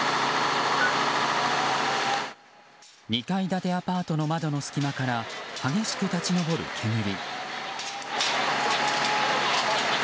２階建てアパートの窓の隙間から激しく立ち上る煙。